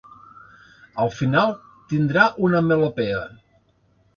Al final, tindrà una melopea.